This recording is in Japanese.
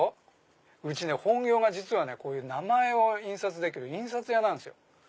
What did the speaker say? うちね本業が名前を印刷できる印刷屋なんですよ。